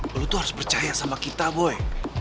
boi lu tuh harus percaya sama kita boi